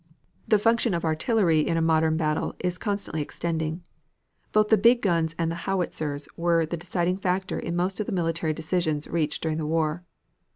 The function of artillery in a modern battle is constantly extending. Both the big guns and the howitzers were the deciding factors in most of the military decisions reached during the war.